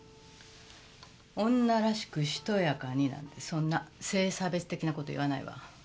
「女らしくしとやかに」なんてそんな性差別的な事言わないわ。